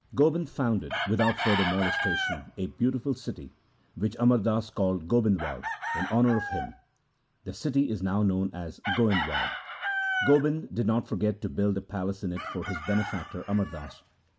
Gobind founded without further molestation a beautiful city, which Amar Das called Gobindwal in honour of him. The city is now known as Goindwal. Gobind did not forget to build a palace in it for his benefactor Amar Das.